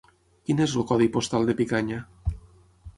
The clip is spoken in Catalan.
Quin és el codi postal de Picanya?